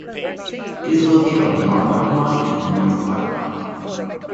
It is located on the Argyle Line and the North Clyde Line.